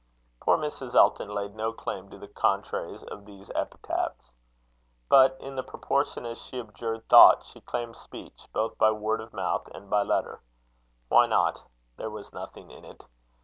Poor Mrs. Elton laid no claim to the contraries of these epithets. But in proportion as she abjured thought, she claimed speech, both by word of mouth and by letter. Why not? There was nothing in it.